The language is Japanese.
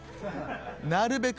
なるべく。